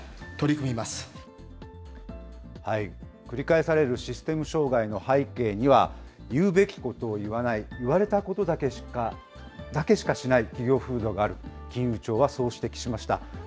繰り返されるシステム障害の背景には、言うべきことを言わない、言われたことだけしかしない企業風土ある、金融庁はそう指摘しました。